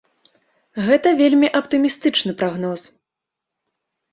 Гэта вельмі аптымістычны прагноз.